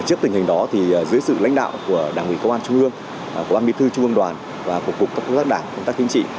trước tình hình đó thì dưới sự lãnh đạo của đảng quỹ công an trung ương của ban biên thư trung ương đoàn và của cục cấp quốc giác đảng công tác chính trị